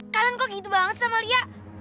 kangen kok gitu banget sama lia